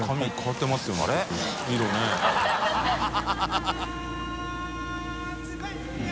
ハハハ